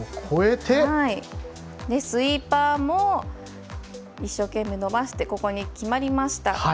スイーパーも一生懸命、伸ばしてここに決まりました。